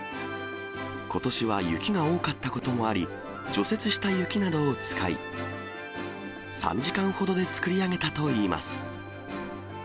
ことしは雪が多かったこともあり、除雪した雪などを使い、３時間ほどで作り上げたといいます。